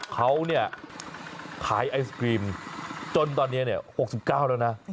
เขาเนี่ยขายไอศครีมจนตอนนี้๖๙แล้วนะ